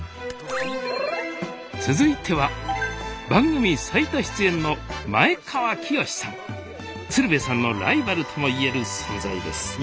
続いては番組最多出演の鶴瓶さんのライバルとも言える存在です